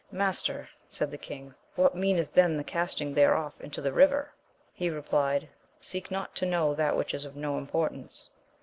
Master, said the king, what meaneth then the casting thereof into the river ? He replied, seek not to know that which is of no importance.